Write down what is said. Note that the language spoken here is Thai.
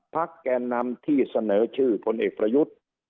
แกนนำที่เสนอชื่อพลเอกประยุทธ์